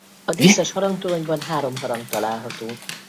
A díszes harangtoronyban három harang található.